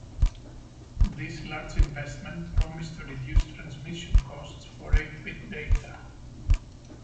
This large investment promised to reduce transmission costs for eight-bit data.